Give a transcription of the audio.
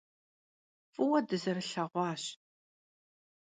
F'ıue dızerılheğuaş.